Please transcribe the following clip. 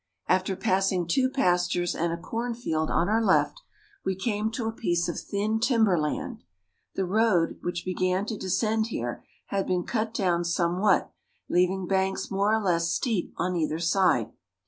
After passing two pastures and a cornfield on our left, we came to a piece of thin timber land. The road, which began to descend here, had been cut down somewhat, leaving banks more or less steep on either side.